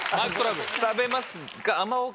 食べますが。